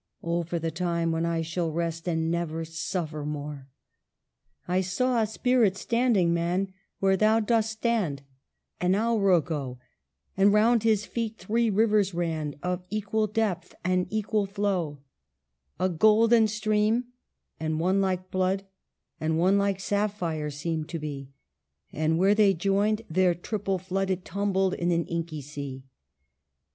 Oh, for the day when I shall rest, And never suffer more I " I saw a spirit, standing, man, Where thou dost stand — an hour ago, And round his feet three rivers ran, Of equal depth and equal flow — A golden stream, and one like blood, And one like sapphire seemed to be ; But where they joined their triple flood It tumbled in an inky sea.